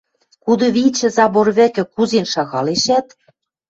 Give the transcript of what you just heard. Кудывичӹ забор вӹкӹ кузен шагалешӓт